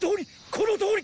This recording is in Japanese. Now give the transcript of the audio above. このとおり！